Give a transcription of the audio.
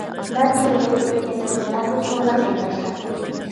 مەن تولا گەپ قىلىپ كەتتىم، ئەپۇ قىلىڭلار قېرىنداشلار.